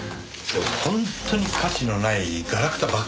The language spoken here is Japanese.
本当に価値のないガラクタばっかりっすよ？